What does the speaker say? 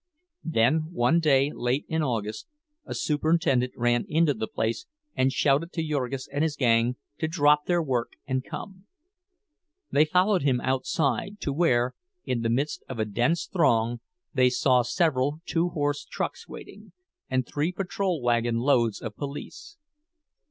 Then one day late in August, a superintendent ran into the place and shouted to Jurgis and his gang to drop their work and come. They followed him outside, to where, in the midst of a dense throng, they saw several two horse trucks waiting, and three patrol wagon loads of police.